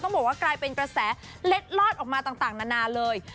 บอกว่ากลายเป็นกระแสเล็ดลอดออกมาต่างนานาเลย